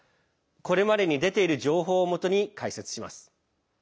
これまでに出ている情報をもとに解説します。